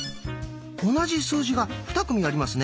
同じ数字がふた組ありますね。